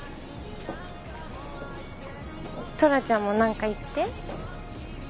トラちゃんもなんか言って。